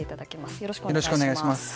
よろしくお願いします。